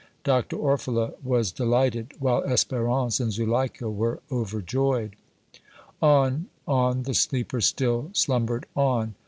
Dr. Orfila was delighted, while Espérance and Zuleika were overjoyed. On on the sleeper still slumbered on!